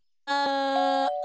あ。